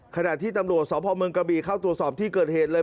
ขณะที่ตำรวจสพเมืองกระบีเข้าตรวจสอบที่เกิดเหตุเลย